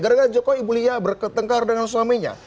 gara gara jokowi ibu lia berketengkar dengan suaminya